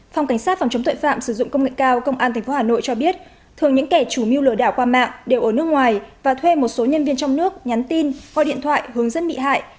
phòng cảnh sát phòng chống tội phạm sử dụng công nghệ cao công an tp hà nội cho biết thường những kẻ chủ mưu lừa đảo qua mạng đều ở nước ngoài và thuê một số nhân viên trong nước nhắn tin qua điện thoại hướng dẫn bị hại